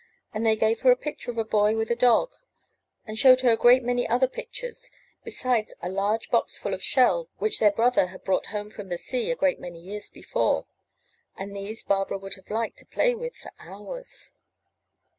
And they gave her a picture of a boy with a dog, and showed her a great many other pictures, besides a large box full of shells which their brother had brought home from sea a great many years before, and these Barbara would have liked to play with for hours.